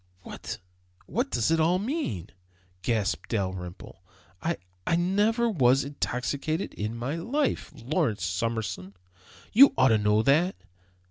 "What what does it all mean?" gasped Dalrymple. "I I never was intoxicated in my life, Lawrence Summerson; you ought to know that!